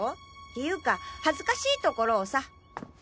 ていうか恥ずかしいところをさ。